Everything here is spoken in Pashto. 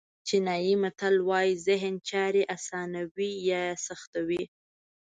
چینایي متل وایي ذهن چارې آسانوي یا سختوي.